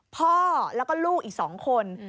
พ่อแล้วก็ลูกอีก๒คน